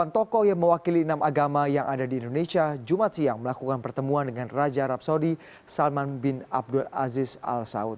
delapan tokoh yang mewakili enam agama yang ada di indonesia jumat siang melakukan pertemuan dengan raja arab saudi salman bin abdul aziz al saud